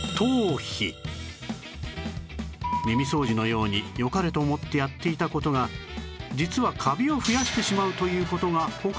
耳掃除のように良かれと思ってやっていた事が実はカビを増やしてしまうという事が他にも